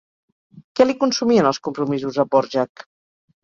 Què li consumien els compromisos a Dvořák?